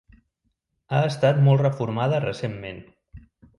Ha estat molt reformada recentment.